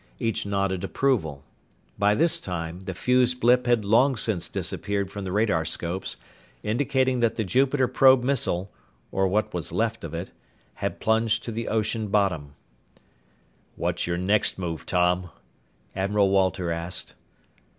Each nodded approval. By this time, the fused blip had long since disappeared from the radarscopes, indicating that the Jupiter probe missile or what was left of it had plunged to the ocean bottom. "What's your next move, Tom?" Admiral Walter asked.